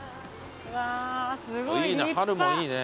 いいな春もいいね。